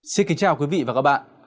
xin kính chào quý vị và các bạn